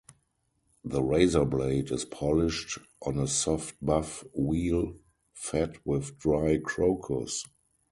The razor blade is polished on a soft buff wheel fed with dry crocus.